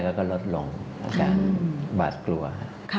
แล้วก็ลดลงจากบาดกลัวค่ะ